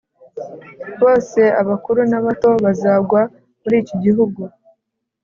Bose abakuru n abato bazagwa muri iki gihugu